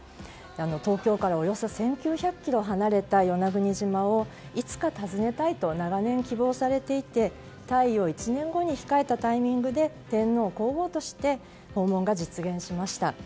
東京からおよそ１９００ｋｍ離れた与那国島をいつか訪ねたいと長年希望されていて退位を１年後に控えたタイミングで天皇・皇后として訪問が実現しました。